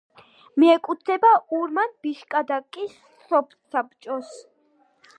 მიეკუთვნება ურმან-ბიშკადაკის სოფსაბჭოს.